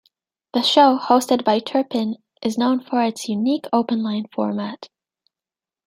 The show, hosted by Turpin, is known for its unique open-line format.